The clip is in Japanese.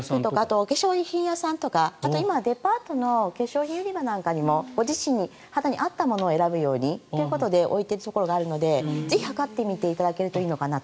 お化粧品屋さんとかあと今はデパートの化粧品売り場にもご自身の肌に合ったものを選ぶということで置いているところがあるのでぜひ測っていただけるといいのかなと。